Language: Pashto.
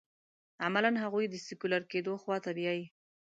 عملاً هغوی د سیکولر کېدو خوا ته بیايي.